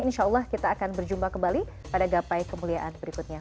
insya allah kita akan berjumpa kembali pada gapai kemuliaan berikutnya